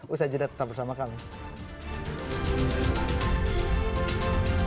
usai jeda tetap bersama kami